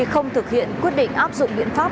không thực hiện quyết định áp dụng biện pháp